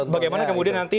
bagaimana kemudian nanti